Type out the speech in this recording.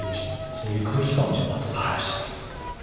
そういう空気感をまとってらっしゃるということなんですね。